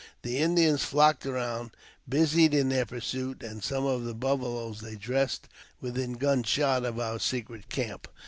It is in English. The Indians flocked round, busied in their pursuit, and some of the buffaloes they dressed within gunshot of our secret camp.